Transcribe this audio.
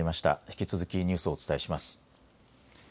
引き続きニュースをお伝えします。